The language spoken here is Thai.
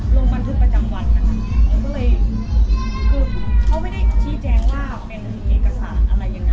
ลงบันทึกประจำวันนะคะเขาก็เลยคือเขาไม่ได้ชี้แจงว่าเป็นเอกสารอะไรยังไง